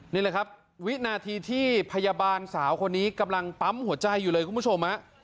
นี่แหละครับวินาทีที่พยาบาลสาวคนนี้กำลังปั๊มหัวใจอยู่เลยคุณผู้ชมฮะ